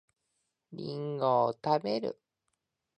りんごを食べる